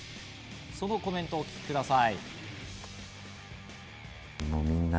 そのコメントをお聞きください。